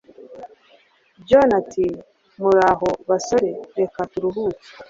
John ati: "Muraho basore, reka turuhuke."